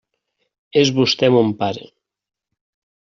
És vostè mon pare.